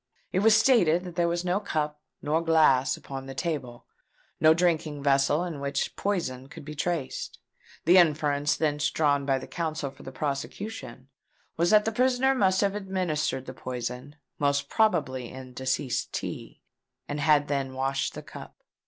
It was stated that there was no cup nor glass upon the table—no drinking vessel in which poison could be traced. The inference thence drawn by the counsel for the prosecution was that the prisoner must have administered the poison—most probably in deceased's tea, and had then washed the cup.